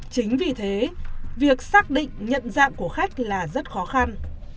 chính vì thế việc xác định nhận dạng của khách là rất khó khăn